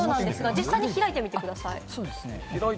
実際に開いてみてください。